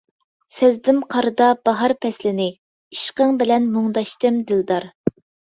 سەزدىم قاردا باھار پەسلىنى، ئىشقىڭ بىلەن مۇڭداشتىم دىلدار.